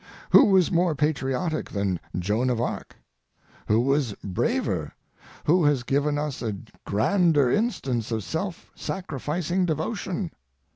Who was more patriotic than Joan of Arc? Who was braver? Who has given us a grander instance of self sacrificing devotion?